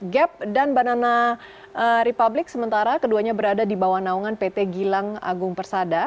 gap dan banana republic sementara keduanya berada di bawah naungan pt gilang agung persada